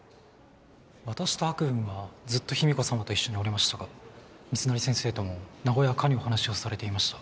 私と白雲はずっと秘美子さまと一緒におりましたが密成先生とも和やかにお話をされていました。